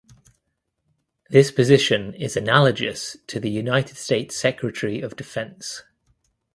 This position is analogous to the United States secretary of defense.